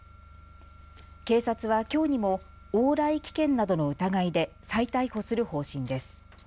警察はきょうにも往来危険などの疑いで再逮捕する方針です。